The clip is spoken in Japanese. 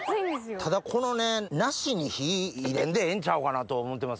ただこのね梨に火入れんでええんちゃうかなと思うてます